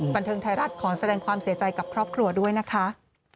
บันเทิงไทยรัฐขอแสดงความเสียใจกับครอบครัวด้วยนะคะ